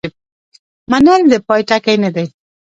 منل د پای ټکی نه دی.